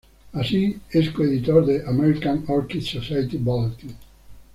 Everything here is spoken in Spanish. Allí es coeditor de "American Orchid Society Bulletin".